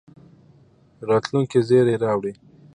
راتلونکي زېری راوړي.